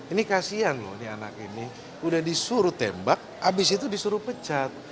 ini kasian loh ini anak ini udah disuruh tembak habis itu disuruh pecat